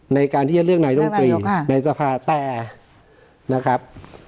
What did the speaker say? ในการที่จะเลือกนายรมตรีในสภาแต่นะครับ